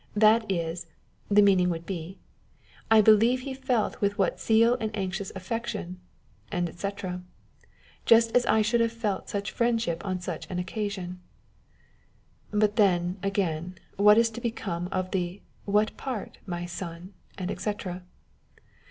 That is, the meaning would be, "I believe he felt with what zeal and anxious affection," &c. "just as I should have felt such friendship on such an occasion." But then, again, what is to become of the "what part, my son?"&c.